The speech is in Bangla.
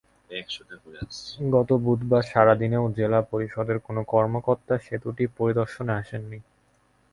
গতকাল বুধবার সারা দিনেও জেলা পরিষদের কোনো কর্মকর্তা সেতুটি পরিদর্শনে আসেননি।